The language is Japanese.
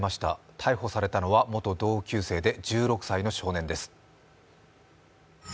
逮捕されたのは元同級生で１６歳の少年です。